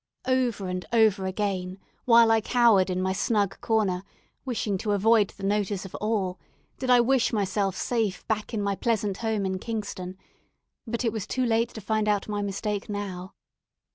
Over and over again, while I cowered in my snug corner, wishing to avoid the notice of all, did I wish myself safe back in my pleasant home in Kingston; but it was too late to find out my mistake now.